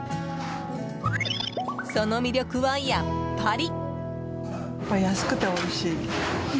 その魅力はやっぱり。